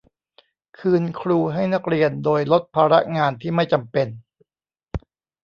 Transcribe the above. คืนครูให้นักเรียนโดยลดภาระงานที่ไม่จำเป็น